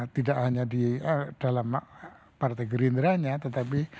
tidak hanya di dalam partai gerindranya tetapi